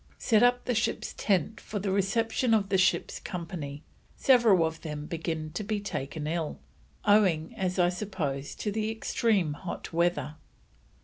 "Set up the ship's tents for the reception of the ship's company, several of them begin to be taken ill, owing as I suppose to the extream hot weather."